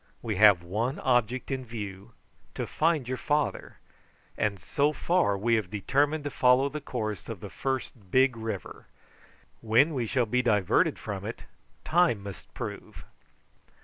We have one object in view to find your father, and so far we have determined to follow the course of the first big river; when we shall be diverted from it time must prove."